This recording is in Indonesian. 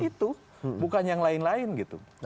itu bukan yang lain lain gitu